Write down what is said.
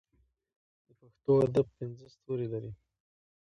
د پښتو ادب پنځه ستوري لري.